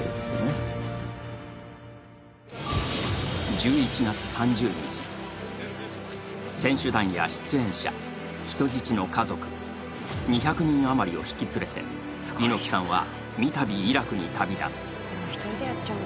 １１月３０日、選手団や出演者、人質の家族、２００人余りを引き連れて、猪木さんは３たびイラクに旅立つ。